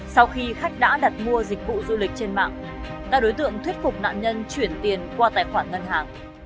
sau khi khách đã đặt mua dịch vụ du lịch trên mạng các đối tượng thuyết phục nạn nhân chuyển tiền qua tài khoản ngân hàng